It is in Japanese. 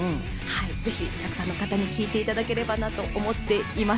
ぜひたくさんの方に聴いていただければなと思っています。